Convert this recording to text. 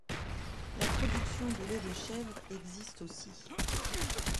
La production de lait de chèvre existe aussi.